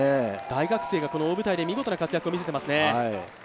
大学生が大舞台で見事な活躍を見せていますね。